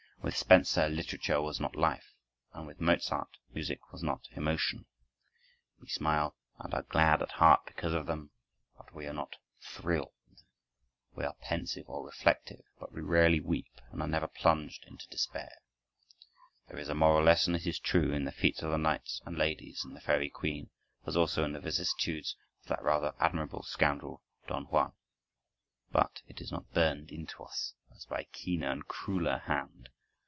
With Spenser literature was not life, and with Mozart music was not emotion. We smile and are glad at heart because of them, but we are not thrilled; we are pensive or reflective, but we rarely weep and are never plunged into despair. There is a moral lesson, it is true, in the feats of the knights and ladies in the "Faery Queen," as also in the vicissitudes of that rather admirable scoundrel, Don Juan, but it is not burned into us, as by a keener and crueler hand.